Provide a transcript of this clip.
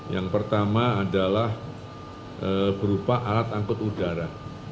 yang pertama adalah berupa alat angkut udara